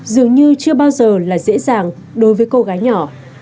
dường như chưa bao giờ là dễ dàng đối với cô gái nhỏ